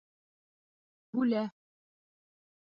Бүлә.